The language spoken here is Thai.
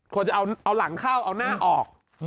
ควรจะเอาหลังเข้าเอาหน้าออก